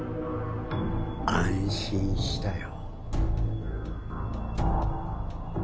安心したよ。